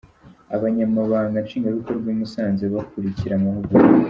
Abanyamabanga nshingwabikorwa i Musanze bakurikira amahugurwa.